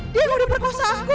gak ada siapa lagi